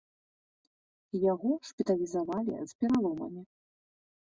Яго шпіталізавалі з пераломамі.